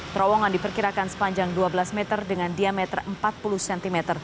terowongan diperkirakan sepanjang dua belas meter dengan diameter empat puluh cm